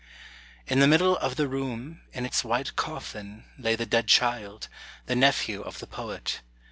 ["In the middle of the room, in its white coffin, lay the dead child, the nephew of the poet.